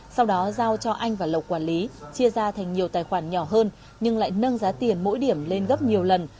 sau đó giao cho anh và lộc quản lý chia ra thành nhiều tài khoản nhỏ hơn nhưng lại nâng giá tiền mỗi điểm lên gấp nhiều lần